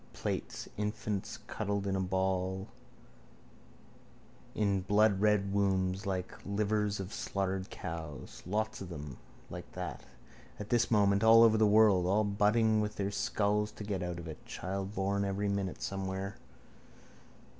Plates: infants cuddled in a ball in bloodred wombs like livers of slaughtered cows. Lots of them like that at this moment all over the world. All butting with their skulls to get out of it. Child born every minute somewhere.